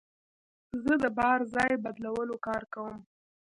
زه د بار ځای بدلولو کار کوم.